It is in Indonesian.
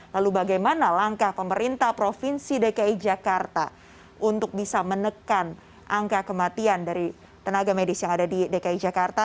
lalu bagaimana langkah pemerintah provinsi dki jakarta untuk bisa menekan angka kematian dari tenaga medis yang ada di dki jakarta